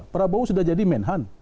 prabowo sudah jadi menhan